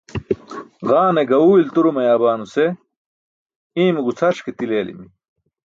Ġaane gaẏu ilturo mayaam nuse iimo gucʰaraṣ ke til eelimi